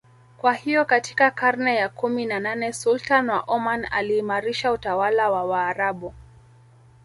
Kwahiyo katika karne ya kumi na nane Sultan wa Oman aliimarisha utawala wa waarabu